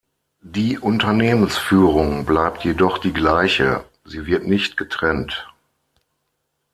Die Unternehmensführung bleibt jedoch die gleiche; sie wird nicht getrennt.